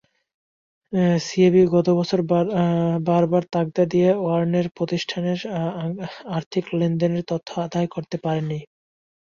CAV গতবছর বারবার তাগাদা দিয়ে ওয়ার্নের প্রতিষ্ঠানের আর্থিক লেনদেনের তথ্য আদায় করতে পারেনি।